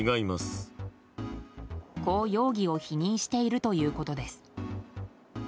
こう容疑を否認しているということです。